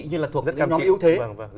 như là thuộc những nhóm yếu thế